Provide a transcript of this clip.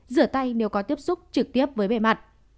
rửa tay nếu có tiếp xúc trực tiếp với bề mặt